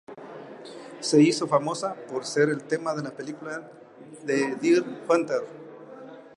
Se hizo famosa por ser el tema de la película The Deer Hunter.